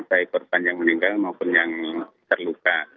baik korban yang meninggal maupun yang terluka